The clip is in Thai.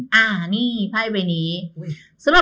สำหรับคนที่เกิดอยู่ในราศีมีนหลังจากนี้ไปเขาบอกว่า